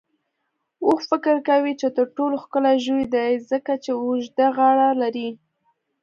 اوښ فکر کوي چې تر ټولو ښکلی ژوی دی، ځکه چې اوږده غاړه لري.